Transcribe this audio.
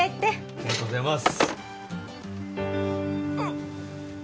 ありがとうございます。